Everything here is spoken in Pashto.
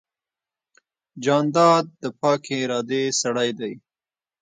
جانداد د پاکې ارادې سړی دی.